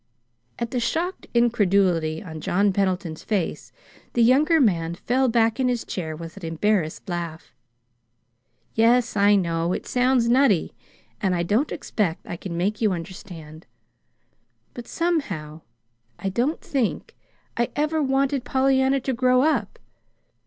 At the shocked incredulity on John Pendleton's face, the younger man fell back in his chair with an embarrassed laugh. "Yes, I know. It sounds nutty, and I don't expect I can make you understand. But, somehow, I don't think I ever wanted Pollyanna to grow up.